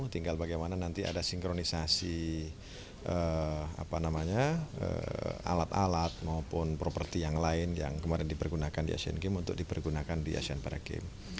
tinggal bagaimana nanti ada sinkronisasi alat alat maupun properti yang lain yang kemarin dipergunakan di asian games untuk dipergunakan di asian para games